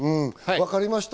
分かりました。